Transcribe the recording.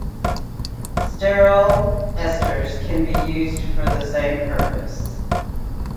Sterol esters can also be used for the same purpose.